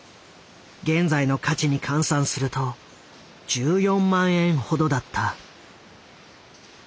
現在の価値に換算すると１４万円ほどだった。